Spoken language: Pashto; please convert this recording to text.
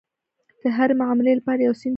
د هرې معاملې لپاره یو سند جوړېده.